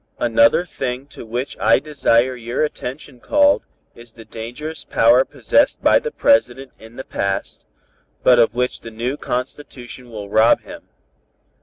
"Another thing to which I desire your attention called is the dangerous power possessed by the President in the past, but of which the new Constitution will rob him.